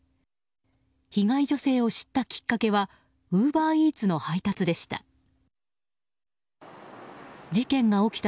被害女性を知ったきっかけはウーバーイーツの配達でした。